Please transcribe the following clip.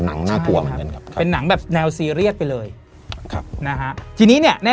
หนังน่ากลัวเป็นหนังแบบแนวซีเรียสไปเลยนะฮะทีนี้เนี่ยแน่